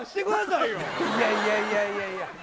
いやいやいやいやいや